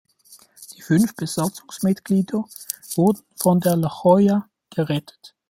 Die fünf Besatzungsmitglieder wurden von der "La Jolla" gerettet.